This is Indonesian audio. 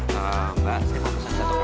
selamat pak saya mau pesan satu kamar